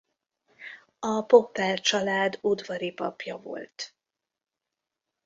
A Poppel-család udvari papja volt.